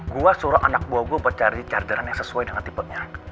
gue suruh anak buah gue buat cari chargeran yang sesuai dengan tipe nya